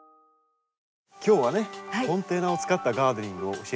今日はねコンテナを使ったガーデンを教えていただきました。